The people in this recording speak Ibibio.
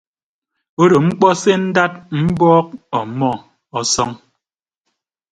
Odo mkpọ se ndad mbọọk ọmmọ ọsọñ.